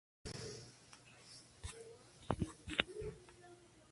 Entonces es fichado por el L Ti Giessen de la liga alemana.